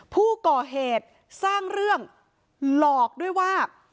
ผู้ก่อเหตุสร้างเรื่องหลอกด้วยว่า